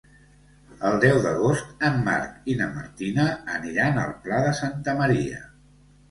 El deu d'agost en Marc i na Martina aniran al Pla de Santa Maria.